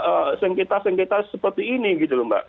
jadi saya tidak menganggap sengketa seperti ini gitu lho mbak